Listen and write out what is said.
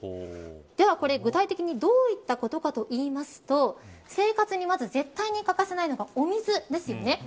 では、これ具体的にどういったことかと言いますと生活にまず欠かせないのがお水ですよね。